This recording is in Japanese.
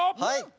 はい。